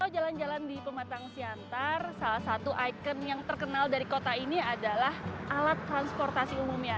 jalan jalan di pematang siantar salah satu ikon yang terkenal dari kota ini adalah alat transportasi umumnya